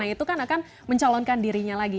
ya kita tahu trump berencana mencalonkan dirinya lagi